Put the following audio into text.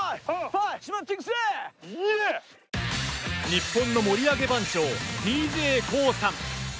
日本の盛り上げ番長ＤＪＫＯＯさん。